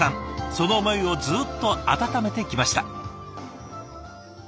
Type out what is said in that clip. その思いをずっと温めてきました。